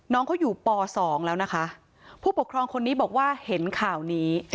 น้องเขาอยู่ปสองแล้วนะคะผู้ปกครองคนนี้บอกว่าเห็นข่าวนี้